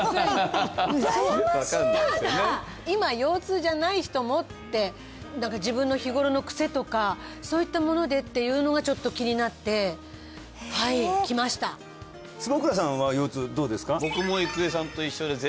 ただ今腰痛じゃない人もって何か自分の日頃のクセとかそういったものでっていうのがちょっと気になってはいきました坪倉さんは腰痛どうですか？